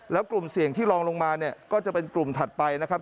แล้วกลุ่มเสี่ยงที่ลองลงมาเนี่ยก็จะเป็นกลุ่มถัดไปนะครับ